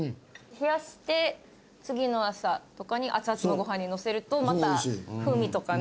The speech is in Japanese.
冷やして次の朝とかにアツアツのご飯にのせるとまた風味とかね。